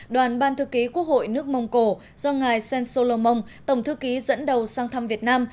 đoàn ban thư ký quốc hội nước mông cổ do ngài sensolomong tổng thư ký dẫn đầu sang thăm việt nam